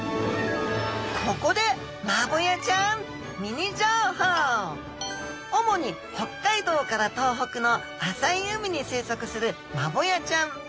ここで主に北海道から東北の浅い海に生息するマボヤちゃん。